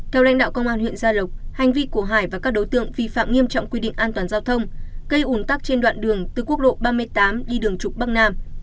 theo lãnh đạo công an huyện gia lộc hành vi của hải và các đối tượng vi phạm nghiêm trọng quy định an toàn giao thông gây ủn tắc trên đoạn đường từ quốc lộ ba mươi tám đi đường trục bắc nam